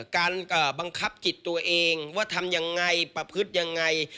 การบังคับจิตตัวเองว่าทำยังไงประพฤติยังไง